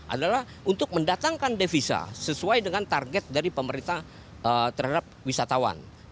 adalah untuk mendatangkan devisa sesuai dengan target dari pemerintah terhadap wisatawan